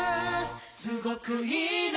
すごくいいね